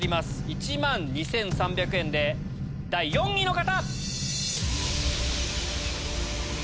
１万２３００円で第４位の方！